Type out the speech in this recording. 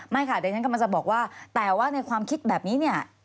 ค่ะเดี๋ยวฉันกำลังจะบอกว่าแต่ว่าในความคิดแบบนี้เนี่ย